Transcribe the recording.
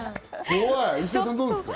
石田さん、どうですか？